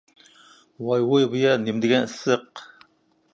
ۋاي-ۋۇي، بۇ يەر نېمىدېگەن ئىسسىق!